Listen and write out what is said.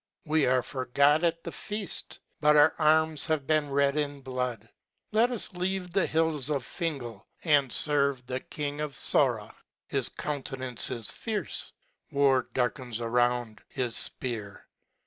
We are forgot at the feaft : But our arms have been red in blood. Let us leave the hills of Fingal, and ferve the king of Sora. His countenance is fierce. War darkens around his fpear.